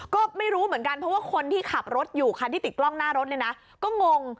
ก็ไม่รู้เหมือนกันเพราะว่าคนที่ขับรถอยู่คันที่ติดกล้องหน้ารถเนี่ยนะก็งง